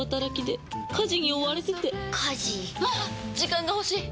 時間が欲しい！